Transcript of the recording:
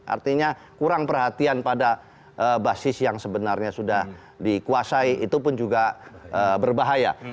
artinya kurang perhatian pada basis yang sebenarnya sudah dikuasai itu pun juga berbahaya